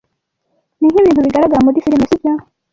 Ni nkibintu bigaragara muri firime, sibyo?